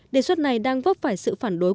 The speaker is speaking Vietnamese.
đề xuất này đang vấp phải sự phản đối